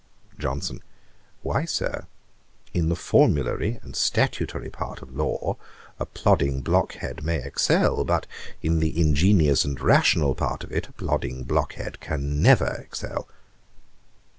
JOHNSON. 'Why, Sir, in the formulary and statutory part of law, a plodding block head may excel; but in the ingenious and rational part of it a plodding block head can never excel.'